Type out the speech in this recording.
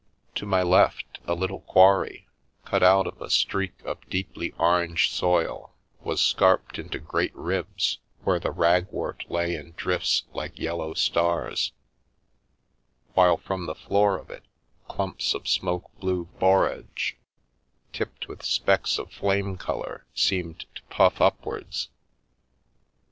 To my left, a little quarry, cut out of a streak of deeply orange soil, was scarped into great ribs, where the ragwort lay in drifts like yellow stars, while from the floor of it clumps of smoke blue borage, tipped with specks of flame colour, seemed to puff upwards.